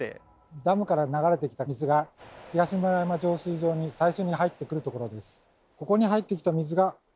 ダムから流れてきた水が東村山浄水場に最初に入ってくるところです。